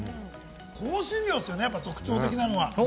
香辛料ですよね、やっぱり特徴的なのが。